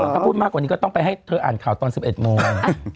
ถ้าพูดมากกว่านี้ก็ต้องไปให้เธออ่านข่าวตอน๑๑โมง